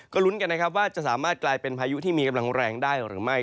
ลุ้นกันนะครับว่าจะสามารถกลายเป็นพายุที่มีกำลังแรงได้หรือไม่